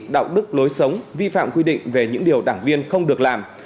đạo đức lối sống vi phạm quy định về những điều đảng viên không được làm